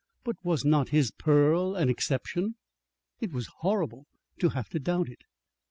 But was not his pearl an exception? It was horrible to have to doubt it.